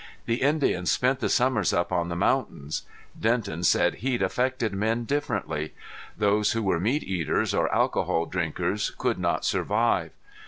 The Indians spent the summers up on the mountains. Denton said heat affected men differently. Those who were meat eaters or alcohol drinkers, could not survive.